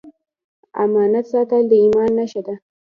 امانت ساتل د ایمان نښه ده